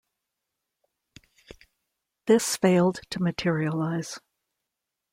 This failed to materialize.